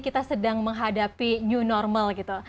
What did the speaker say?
kita sedang menghadapi new normal gitu